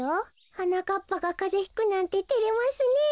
はなかっぱがカゼひくなんててれますねえ。